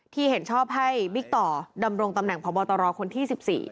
เห็นชอบให้บิ๊กต่อดำรงตำแหน่งพบตรคนที่๑๔